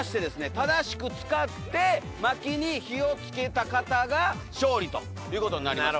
正しく使ってまきに火を付けた方が勝利ということになります。